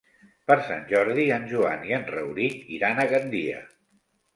Per Sant Jordi en Joan i en Rauric iran a Gandia.